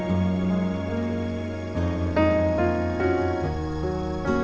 aku akan mencari temanmu